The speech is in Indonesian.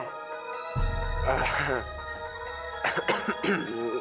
kamu lagi ada masalah ya